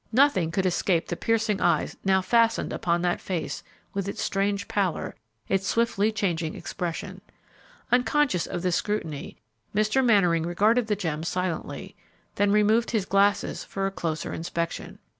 Nothing could escape the piercing eyes now fastened upon that face with its strange pallor, its swiftly changing expression. Unconscious of this scrutiny, Mr. Mannering regarded the gem silently, then removed his glasses for a closer inspection.